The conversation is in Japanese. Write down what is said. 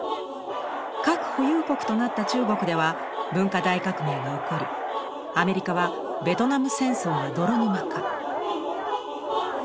核保有国となった中国では文化大革命が起こりアメリカはベトナム戦争が泥沼化。